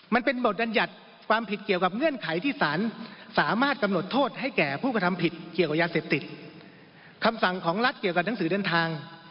วันเป็นบทดันยัดคนที่เกี่ยวกับข้ารองรหัสและปฏิสารสามารถกำหนดโทษให้แก่ผู้กระทำผิดเกี่ยวกับยาเสพติด